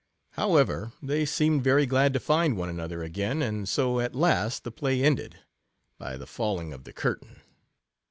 However, they seemed very glad to find one another again ; and so at last the play ended, by the falling of the curtain.